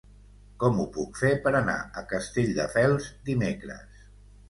Com ho puc fer per anar a Castelldefels dimecres?